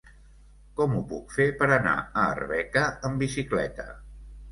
Com ho puc fer per anar a Arbeca amb bicicleta?